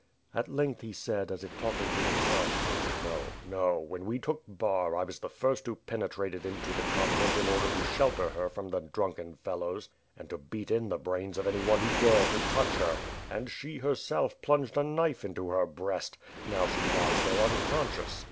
At length he said, as if talking to himself: "No I No! When we took Bar, I was the first who pene trated into the convent in order to shelter her from the drunken fellows and to beat in the brains of anyone who dared to touch her; and she, herself, plunged a knife into her breast — now she lies there unconscious.